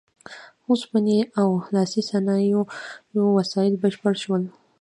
اوسپنې او لاسي صنایعو وسایل بشپړ شول.